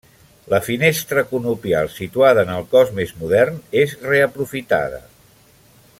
La finestra conopial situada en el cos més modern és reaprofitada.